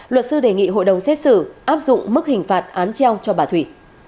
luật sư đề nghị hội đồng xét xử áp dụng mức hình phạt án treo cho bà thủy